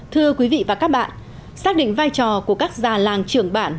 thưa quý vị và các bạn xác định vai trò của các già làng trưởng bản